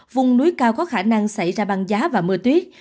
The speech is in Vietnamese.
vùng núi cao có khả năng xảy ra băng giá và mưa tuyết